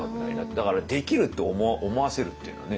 だから「できる」って思わせるっていうのはね。